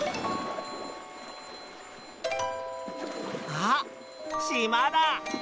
あっしまだ。